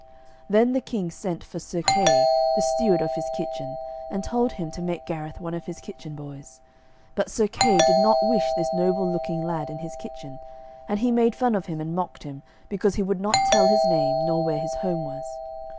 Then the King sent for Sir Kay, the steward of his kitchen, and told him to make Gareth one of his kitchen boys. But Sir Kay did not wish this noble looking lad in his kitchen, and he made fun of him and mocked him, because he would not tell his name, nor where his home was.